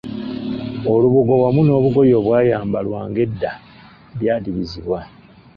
Olubugo wamu n'obugoye obwayambalwanga edda byadibizibwa.